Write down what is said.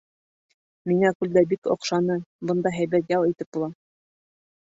Миңә күлдә бик оҡшаны, бында һәйбәт ял итеп була.